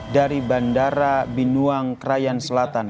dari bandara binduang kraian selatan